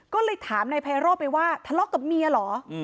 ก็เลยถามนายไพโรธไปว่าทะเลาะกับเมียเหรอ